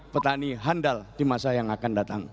petani handal di masa yang akan datang